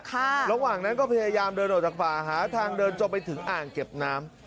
ระหว่างนั้นก็พยายามเดินออกจากป่าหาทางเดินจมไปถึงอ่างเก็บน้ำ